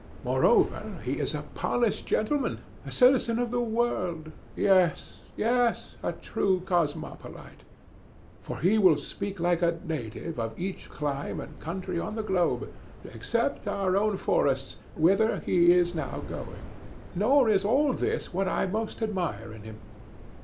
Moreover, he is a polished gentleman, a citizen of the world—yes, a true cosmopolite; for he will speak like a native of each clime and country on the globe, except our own forests, whither he is now going. Nor is all this what I most admire in him."